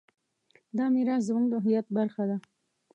دا میراث زموږ د هویت برخه ده.